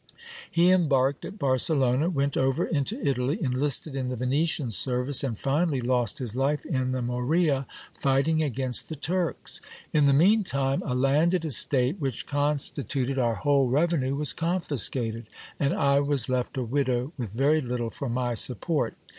He embarked at Barcelona, went over into Italy, enlisted in the Venetian service, and finally lost his life in the Morea, fighting against the Turks. In the mean time, a landed estate which constituted our whole revenue was confiscated, and I was left a widow with very little for my support.